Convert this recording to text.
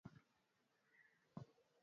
Chai imeiva